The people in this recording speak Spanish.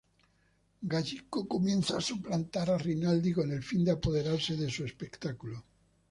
Gallico comienza a suplantar a Rinaldi con el fin de apoderarse de su espectáculo.